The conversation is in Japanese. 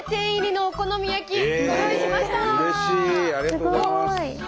すごい。